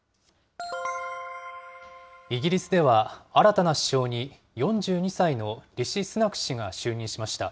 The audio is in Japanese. イギリスでは、新たな首相に４２歳のリシ・スナク氏が就任しました。